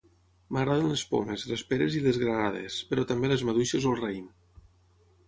M'agraden les pomes, les peres i les granades, però també les maduixes o el raïm.